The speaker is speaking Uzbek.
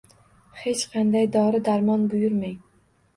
Hech qanday dori-dormon buyurmang